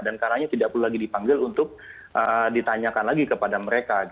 dan karanya tidak perlu lagi dipanggil untuk ditanyakan lagi kepada mereka